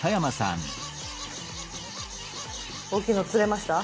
大きいの釣れました？